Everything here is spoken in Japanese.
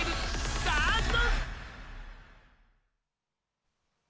スタート！